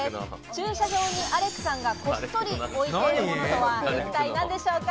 駐車場にアレクさんがこっそり置いているものとは一体何でしょうか？